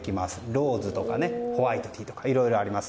ローズとか、ホワイトティーとかいろいろあります。